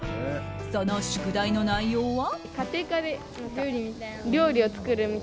その宿題の内容は。